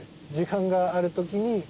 時間があるときに。